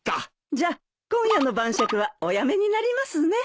じゃあ今夜の晩酌はおやめになりますね。